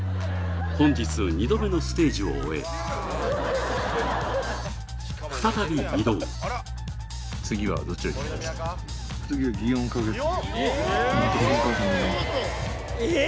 本日２度目のステージを終え再び移動えっ！？